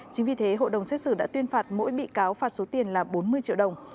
chính vì thế hội đồng xét xử đã tuyên phạt mỗi bị cáo phạt số tiền là bốn mươi triệu đồng